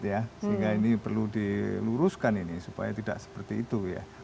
sehingga ini perlu diluruskan supaya tidak seperti itu